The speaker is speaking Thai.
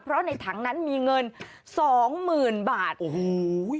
เพราะในถังนั้นมีเงินสองหมื่นบาทโอ้โห